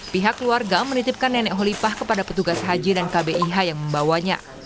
pihak keluarga menitipkan nenek holipah kepada petugas haji dan kbih yang membawanya